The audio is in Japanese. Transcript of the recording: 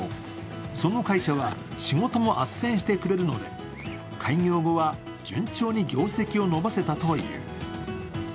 その会社は仕事もあっせんしてくれるので開業後は順調に業績を伸ばせたという。